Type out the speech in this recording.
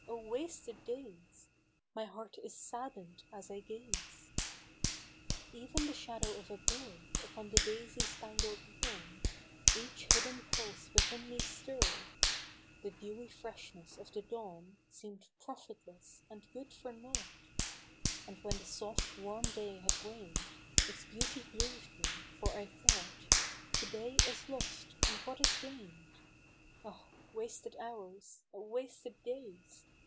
oh, wasted days ! My heart is sadden'd as I gaze !" Even the shadow of a bird Upon the daisy spangled lawn Each hidden pulse within me stirr'd ; The dewy freshness of the dawn Seem'd profitless and good for naught ; And when the soft warm day had waned, Its beauty grieved me, for I thought, " To day is lost, and what is gain'd ? Oh ! wasted hours ! oh ! wasted days